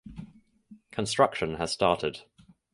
Construction has started.